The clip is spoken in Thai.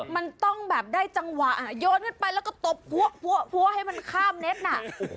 มันต้องแบบได้จังหวะโยนขึ้นไปแล้วก็ตบพัวให้มันข้ามเน็ตน่ะ